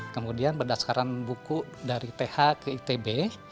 kemudian berdasarkan buku dari th ke itb